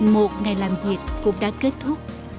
một ngày làm việc cũng đã kết thúc